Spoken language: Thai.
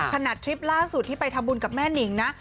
ทริปล่าสุดที่ไปทำบุญกับแม่นิงนะ